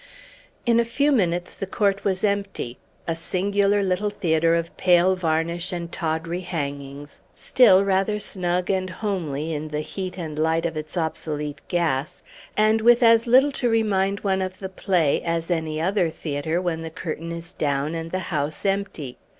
In a few minutes the court was empty a singular little theatre of pale varnish and tawdry hangings, still rather snug and homely in the heat and light of its obsolete gas, and with as little to remind one of the play as any other theatre when the curtain is down and the house empty.